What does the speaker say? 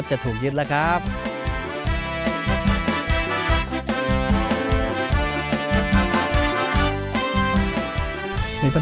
ถ้าตอบถูกเป็นคนแรกขึ้นมาเลย